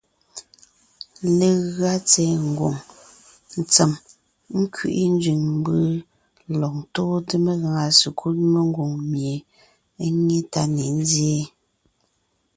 Legʉa tsɛ̀ɛ ngwòŋ ntsèm nkẅiʼi nzẅìŋ mbǔ lɔg ntóonte megàŋa sekúd mengwòŋ mie é nyé tá ne nzyéen;